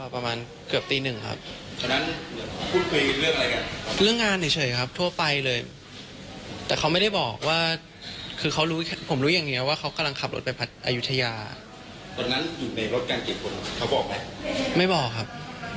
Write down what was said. ปีดีเดียวครับ